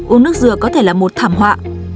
uống nước dừa có thể là một thảm họa